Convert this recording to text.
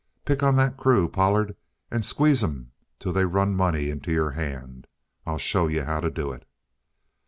Pick on that crew, Pollard, and squeeze 'em till they run money into your hand. I'll show you how to do it!'